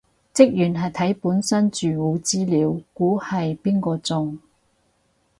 職員係睇本身住戶資料估係邊個中